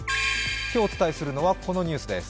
今日お伝えするのはこのニュースです。